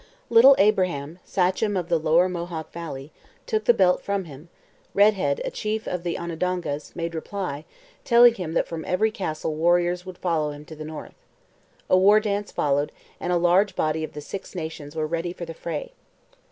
Little Abraham, sachem of the lower Mohawk valley, took the belt from him, Red Head, a chief of the Onondagas, made reply, telling him that from every castle warriors would follow him to the north. A war dance followed, and a large body of the Six Nations were ready for the fray.